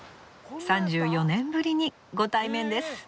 ３４年ぶりにご対面です。